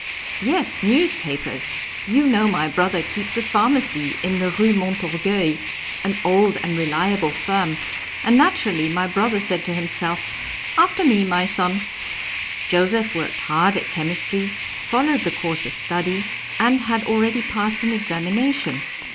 "Yes, newspapers! You know my brother keeps a pharmacy in the Rue Montorgueil, an old and reliable firm, and naturally my brother said to himself, 'After me, my son.' Joseph worked hard at chemistry, followed the course of study, and had already passed an examination.